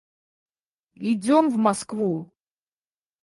Идем в Москву!